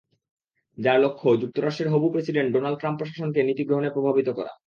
যার লক্ষ্য, যুক্তরাষ্ট্রের হবু প্রেসিডেন্ট ডোনাল্ড ট্রাম্প প্রশাসনকে নীতি গ্রহণে প্রভাবিত করা।